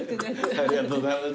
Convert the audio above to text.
ありがとうございます。